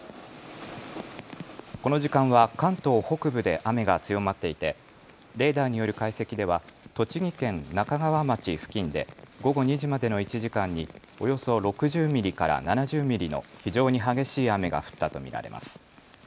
この時間は関東北部で雨が強まっていてレーダーによる解析では栃木県那珂川町付近で午後２時までの１時間におよそ６０ミリから７０ミリの非常に激しい雨が降ったと見られます。